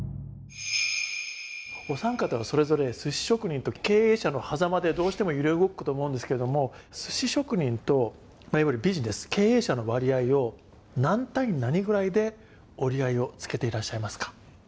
お三方はそれぞれ鮨職人と経営者のはざまでどうしても揺れ動くと思うんですけれども鮨職人といわゆるビジネス経営者の割合を何対何ぐらいで折り合いをつけていらっしゃいますか？